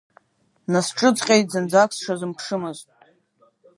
Насҿыҵҟьеит, зынӡак сшазыԥшымыз.